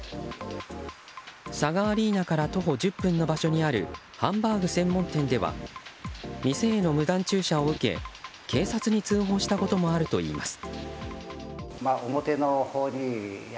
ＳＡＧＡアリーナから徒歩１０分の場所にあるハンバーグ専門店では店への無断駐車を受け警察に通報したこともあるといいます。